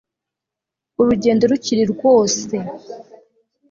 urugendo rukiri rwose